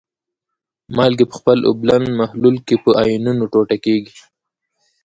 مالګې په خپل اوبلن محلول کې په آیونونو ټوټه کیږي.